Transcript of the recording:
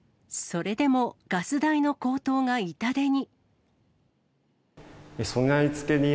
それでも、ガス代の高騰が痛手に。